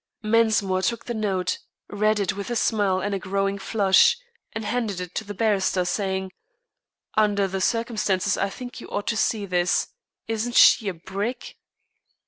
Mensmore took the note, read it with a smile and a growing flush, and handed it to the barrister, saying: "Under the circumstances I think you ought to see this. Isn't she a brick?"